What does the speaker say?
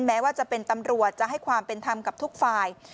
แม้ว่าจะเป็นตำรวจจะให้ความเป็นธรรมกับทุกฝ่าย